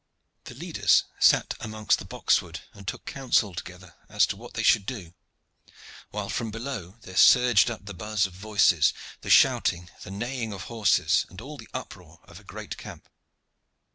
The leaders sat amongst the box wood, and took counsel together as to what they should do; while from below there surged up the buzz of voices, the shouting, the neighing of horses, and all the uproar of a great camp.